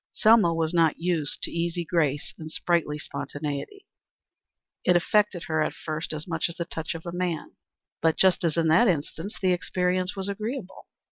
Selma was not used to easy grace and sprightly spontaneity. It affected her at first much as the touch of man; but just as in that instance the experience was agreeable.